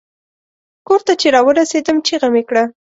کور ته چې را ورسیدم چیغه مې کړه.